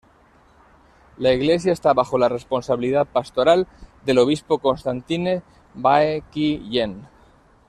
La iglesia esta bajo la responsabilidad pastoral del obispo Constantine Bae Ki-hyen.